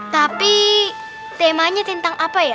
tapi temanya tentang apa ya